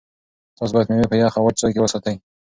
تاسو باید مېوې په یخ او وچ ځای کې وساتئ.